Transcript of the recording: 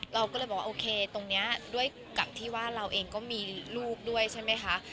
เราก็เลยบอกว่าโอเคตรงนี้ด้วยกับที่ว่าเราเองก็มีลูกด้วยใช่ไหมคะ